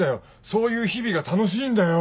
そういう日々が楽しいんだよ。